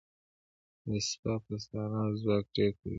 د سپاه پاسداران ځواک ډیر قوي دی.